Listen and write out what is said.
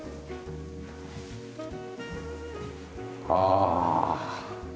ああ。